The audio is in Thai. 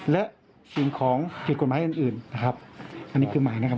และสิ่งของผิดกฎหมายอื่นนะครับ